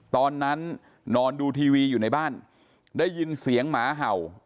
นอนดูทีวีอยู่ในบ้านได้ยินเสียงหมาเห่า